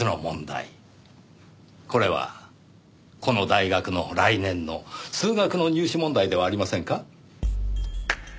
これはこの大学の来年の数学の入試問題ではありませんか？